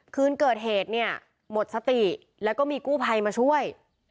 คืนเกิดเหตุเนี่ยหมดสติแล้วก็มีกู้ภัยมาช่วย